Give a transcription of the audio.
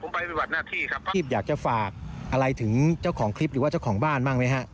คลิปอยากจะฝากอะไรถึงเจ้าของคลิปหรือว่าเจ้าของบ้านบ้างไหมฮะ